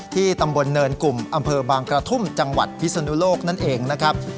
ตำบลเนินกลุ่มอำเภอบางกระทุ่มจังหวัดพิศนุโลกนั่นเองนะครับ